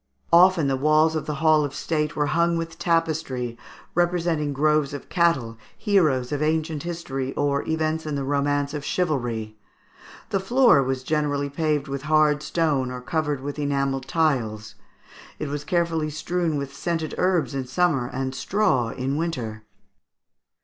Often the walls of the hall of state were hung with tapestry, representing groves with cattle, heroes of ancient history, or events in the romance of chivalry. The floor was generally paved with hard stone, or covered with enamelled tiles. It was carefully strewn with scented herbs in summer, and straw in winter.